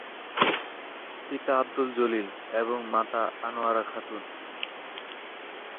পিতা আবদুল জলিল এবং মাতা আনোয়ারা খাতুন।